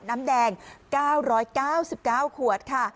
น้ำแดง๙๙๙ขวดค่ะ